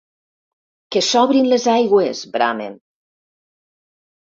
Que s'obrin les aigües, bramen.